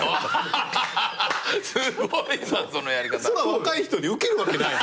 若い人にウケるわけない。